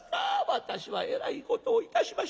私はえらいことをいたしました。